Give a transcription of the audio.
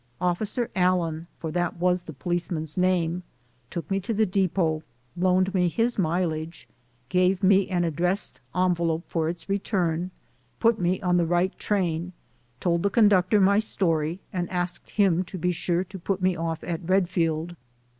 Officer Allen, for that was the policeman's name, took me to the depot, loaned me his mileage; gave me an addressed envelope for its return; put me on the right train; told the con ductor my story and asked him to be sure to put me off at Readfield.